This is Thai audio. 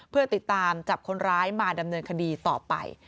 เพื่อติดตามจับคนร้ายมาดำเนินคดีต่อไป